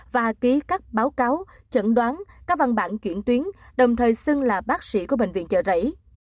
và ký các báo cáo chẩn đoán các văn bản chuyển tuyến đồng thời xưng là bác sĩ của bệnh viện chợ rẫy